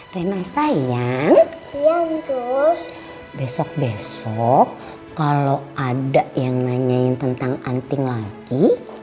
rena sayang besok besok kalau ada yang nanyain tentang anting lagi